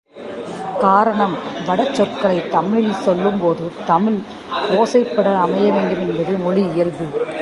காரணம் வட சொற்களைத் தமிழில் சொல்லும்போது தமிழ் ஒசைபட அமைய வேண்டும் என்பது மொழியியல்பு.